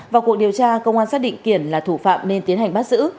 vào cuộc điều tra công an xác định kiển là thủ phạm nên tiến hành bắt giữ